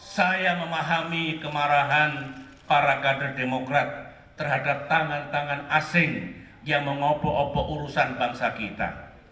saya memahami kemarahan para kader demokrat terhadap tangan tangan asing yang mengobok obok urusan bangsa kita